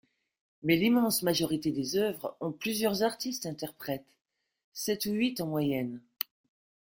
Mais l’immense majorité des œuvres ont plusieurs artistes interprètes – sept ou huit en moyenne.